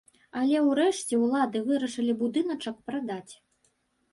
Але ўрэшце ўлады вырашылі будыначак прадаць.